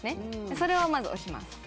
それをまず押します。